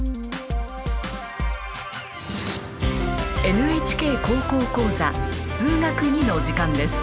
「ＮＨＫ高校講座数学Ⅱ」の時間です。